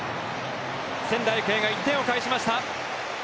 仙台育英が１点を返しました。